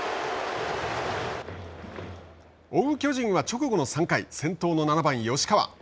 追う巨人は直後の３回先頭の７番吉川。